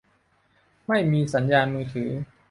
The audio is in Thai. ไม่มีสัญญานมือถือ